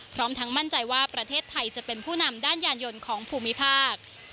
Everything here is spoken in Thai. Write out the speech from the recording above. พร้อมทั้งมั่นใจว่าประเทศไทยจะเป็นผู้นำด้านยานยนต์ของภูมิภาค